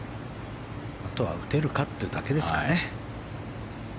あとは打てるかというだけですかね。